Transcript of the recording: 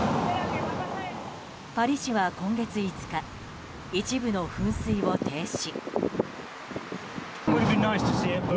パリ市は今月５日一部の噴水を停止。